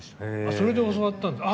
それで教わったんです。